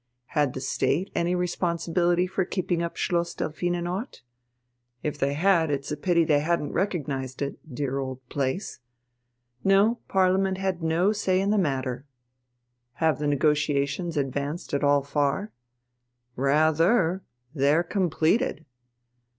Had the State any responsibility for keeping up Schloss Delphinenort? If they had, it's a pity they hadn't recognized it, dear old place. No, Parliament had no say in the matter. Have the negotiations advanced at all far? Rather, they're completed.